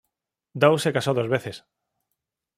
Daw Se casó dos veces.